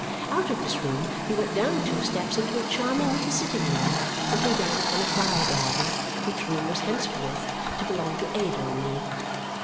Out of this room, you went down two steps into a charming little sitting room looking down upon a flower garden, which room was henceforth to belong to Ada and me.